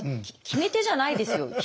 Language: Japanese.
決め手じゃないですよ。